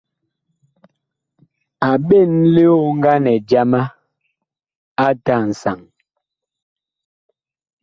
A ɓen lioŋganɛ jama ate a nsaŋ.